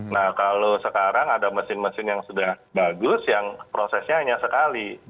nah kalau sekarang ada mesin mesin yang sudah bagus yang prosesnya hanya sekali